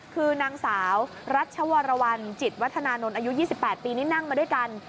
คือนางสาวรัชวรวรรณจิตวัฒนานนท์อายุ๒๘ปีนี่นั่งมาด้วยกัน